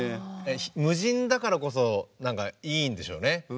無人だからこそ何かいいんでしょうね。